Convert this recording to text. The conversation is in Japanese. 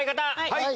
はい！